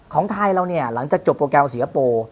ของไทยเราเนี่ยหลังจากจบโปรแกรมสิงคโปร์